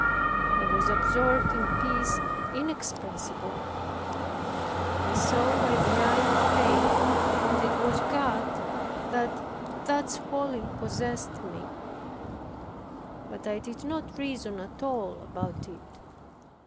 I was absorbed in peace inexpressible; I saw by the eye of faith that it was God that thus wholly possessed me; but I did not reason at all about it.